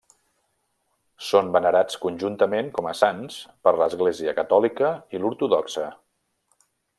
Són venerats conjuntament com a sants per l'Església catòlica i l'ortodoxa.